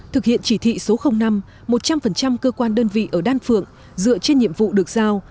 thực hiện chỉ thị số năm một trăm linh cơ quan đơn vị ở đan phượng dựa trên nhiệm vụ được giao